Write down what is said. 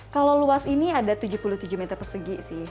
kalau luas ini ada tujuh puluh tujuh meter persegi sih